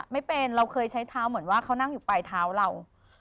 ไม่เป็นเราเคยใช้เท้าเหมือนว่าเขานั่งอยู่ปลายเท้าเรา